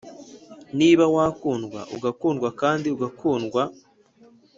“niba wakundwa, ugakundwa, kandi ugakundwa.”